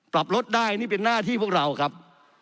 ปรับลดได้นี่เป็นหน้าที่พวกเราครับ